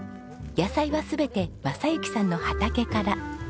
野菜は全て正行さんの畑から。